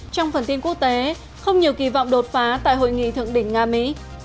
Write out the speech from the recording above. trong phần tin quốc tế không nhiều kỳ vọng đột phá tại hội nghị thượng đỉnh nga mỹ